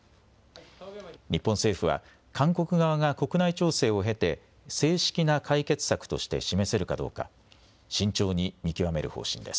日本政府は韓国側が国内調整を経て正式な解決策として示せるかどうか慎重に見極める方針です。